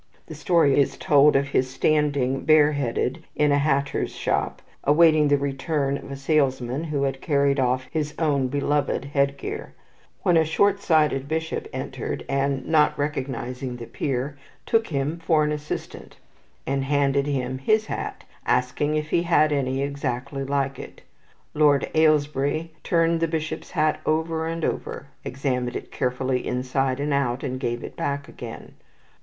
The story is told of his standing bare headed in a hatter's shop, awaiting the return of a salesman who had carried off his own beloved head gear, when a shortsighted bishop entered, and, not recognizing the peer, took him for an assistant, and handed him his hat, asking him if he had any exactly like it. Lord Ailesbury turned the bishop's hat over and over, examined it carefully inside and out, and gave it back again.